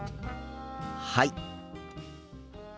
はい。